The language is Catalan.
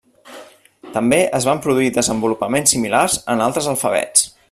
També es van produir desenvolupaments similars en altres alfabets.